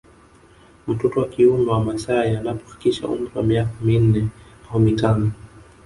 Mtoto wa kiume wa maasai anapofikisha umri wa miaka minne au mitano